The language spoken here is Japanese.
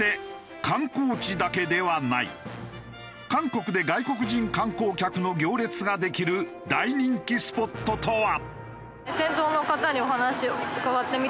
韓国で外国人観光客の行列ができる大人気スポットとは？